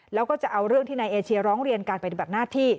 แล้วก็จะเอาเรื่องที่นายเอเชียร้องเรียนการปฏิบัติหน้าที่